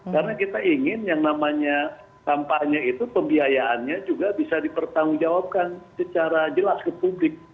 karena kita ingin yang namanya kampanye itu pembiayaannya juga bisa dipertanggungjawabkan secara jelas ke publik